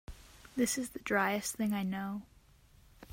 This is the driest thing I know.